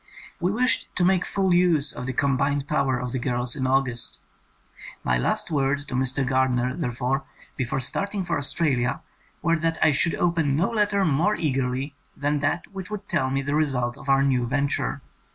We wished to make full use of the combined power of the girls in August. My last words to Mr. Gardner, therefore, before starting for Australia were that I should open no letter more eagerly than that which would tell me the result of our new venture.